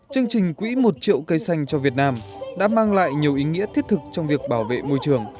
chương trình quỹ một triệu cây xanh cho việt nam đã mang lại nhiều ý nghĩa thiết thực trong việc bảo vệ môi trường